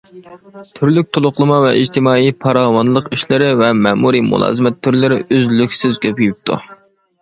تۈرلۈك تولۇقلىما ۋە ئىجتىمائىي پاراۋانلىق ئىشلىرى ۋە مەمۇرىي مۇلازىمەت تۈرلىرى ئۈزلۈكسىز كۆپىيىپتۇ.